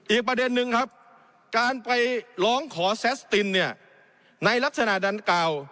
อีกประเด็นนึงครับการไปร้องขอแซสตินเนี่ยในลักษณะดังกล่าว